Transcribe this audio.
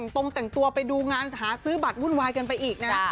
ตรงแต่งตัวไปดูงานหาซื้อบัตรวุ่นวายกันไปอีกนะ